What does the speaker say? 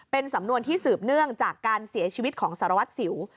เป็นสำนวนที่สืบเนื่องจากการเสียชีวิตของสารวัตรสิว